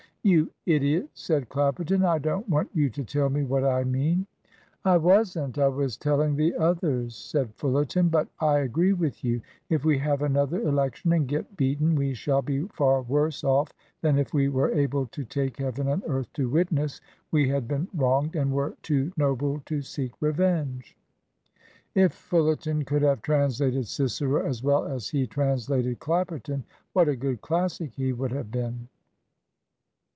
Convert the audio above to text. "You idiot!" said Clapperton. "I don't want you to tell me what I mean." "I wasn't, I was telling the others," said Fullerton. "But I agree with you. If we have another election and get beaten, we shall be far worse off than if we were able to take heaven and earth to witness we had been wronged and were too noble to seek revenge." If Fullerton could have translated Cicero as well as he translated Clapperton, what a good Classic he would have been!